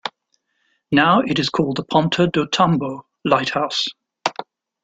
Now it is called the Ponta do Tumbo Lighthouse.